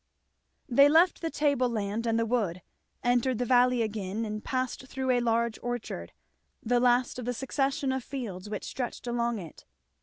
They left the table land and the wood, entered the valley again, and passed through a large orchard, the last of the succession of fields which stretched along it.